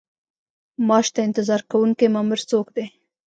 معاش ته انتظار کوونکی مامور څوک دی؟